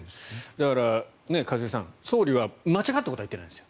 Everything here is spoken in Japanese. だから、一茂さん総理は間違ったことは言っていないんですよ。